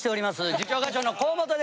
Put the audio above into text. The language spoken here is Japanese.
次長課長の河本です。